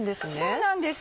そうなんです。